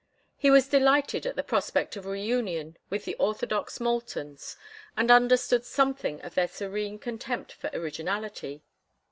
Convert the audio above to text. He was delighted at the prospect of reunion with the orthodox Moultons, and understood something of their serene contempt for originality.